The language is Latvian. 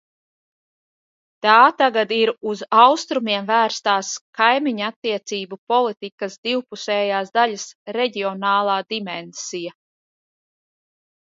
Tā tagad ir uz Austrumiem vērstās kaimiņattiecību politikas divpusējās daļas reģionālā dimensija.